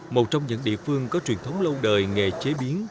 một trong những địa phương có truyền thống lâu đời nghề chế biến